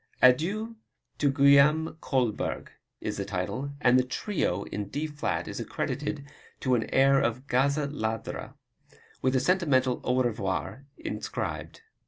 Adieu to Guillaume Kolberg, is the title, and the Trio in D flat is accredited to an air of "Gazza Ladra," with a sentimental Au Revoir inscribed.